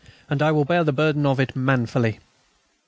And I will bear the burden of it manfully."